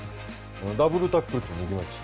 ダブルタックルっていうのもできますし。